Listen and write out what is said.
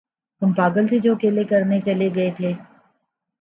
تم پاگل تھے جو اکیلے کرنے چلے گئے تھے۔